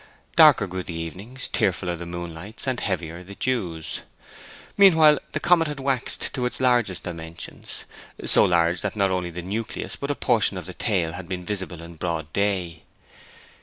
Darker grew the evenings, tearfuller the moonlights, and heavier the dews. Meanwhile the comet had waxed to its largest dimensions, so large that not only the nucleus but a portion of the tail had been visible in broad day.